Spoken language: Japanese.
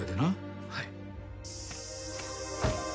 はい。